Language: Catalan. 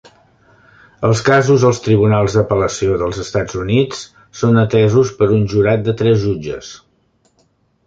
Els casos als tribunals d'apel·lació dels Estats Units són atesos per un jurat de tres jutges.